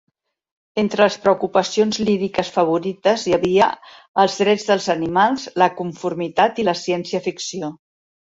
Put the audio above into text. Entre les preocupacions líriques favorites hi havia els drets dels animals, la conformitat i la ciència ficció.